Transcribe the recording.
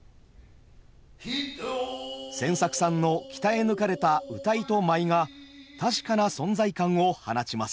千作さんの鍛え抜かれた謡と舞が確かな存在感を放ちます。